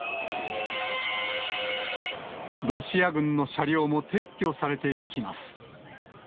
ロシア軍の車両も撤去されていきます。